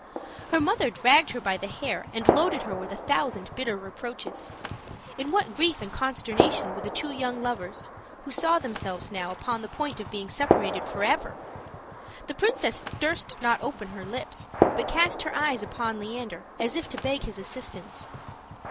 Her mother dragged her by the hair and loaded her with a thousand bitter reproaches. In what grief and consternation were the two young lovers, who saw themselves now upon the point of being separated forever! The princess durst not open her lips, but cast her eyes upon Leander, as if to beg his assistance.